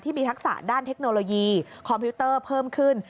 มีทักษะด้านเทคโนโลยีคอมพิวเตอร์เพิ่มขึ้น